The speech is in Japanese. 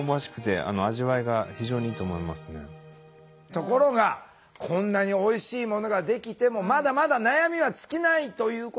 ところがこんなにおいしいものができてもまだまだ悩みは尽きないということなんですよねあずみん。